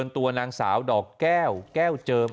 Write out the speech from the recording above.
ตัวนางสาวดอกแก้วแก้วเจิม